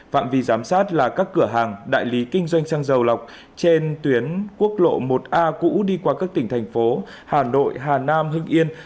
phạm vi giám sát là các cửa hàng đại lý kinh doanh xăng dầu lọc trên tuyến quốc lộ một a cũ đi qua các tỉnh thành phố hà nội hà nam hưng yên